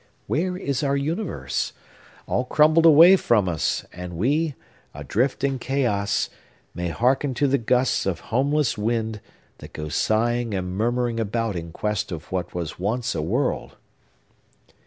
Where is our universe? All crumbled away from us; and we, adrift in chaos, may hearken to the gusts of homeless wind, that go sighing and murmuring about in quest of what was once a world!